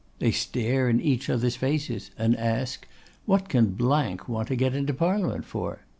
They stare in each other's face, and ask, 'What can want to get into Parliament for?